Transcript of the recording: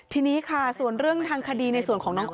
ทีนี้ค่ะส่วนเรื่องทางคดีในส่วนของน้อง